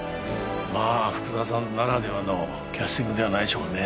まあ福澤さんならではのキャスティングではないでしょうかね